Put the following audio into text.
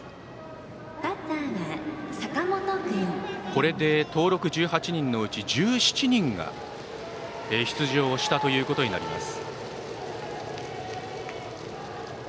これで登録１８人のうち１７人が出場したということになります。